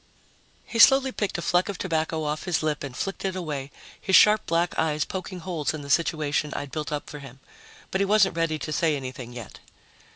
He slowly picked a fleck of tobacco off his lip and flicked it away, his sharp black eyes poking holes in the situation I'd built up for him. But he wasn't ready to say anything yet.